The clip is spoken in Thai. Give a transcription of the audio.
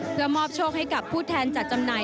เพื่อมอบโชคให้กับผู้แทนจัดจำหน่าย